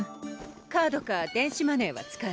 カードか電子マネーは使える？